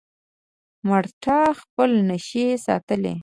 مړتا خپل نشي ساتلی.